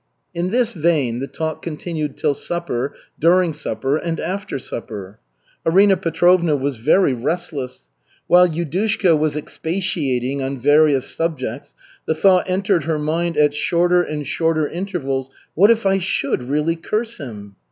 In this vein the talk continued till supper, during supper, and after supper. Arina Petrovna was very restless. While Yudushka was expatiating on various subjects, the thought entered her mind at shorter and shorter intervals, "What if I should really curse him?"